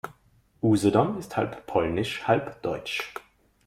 Usedom ist halb polnisch, halb deutsch.